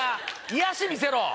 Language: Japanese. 癒やし見せろ！